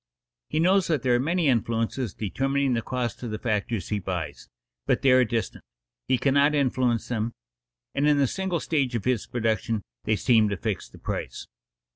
He knows that there are many influences determining the cost of the factors he buys, but they are distant; he cannot influence them, and in the single stage of his production they seem to fix the price.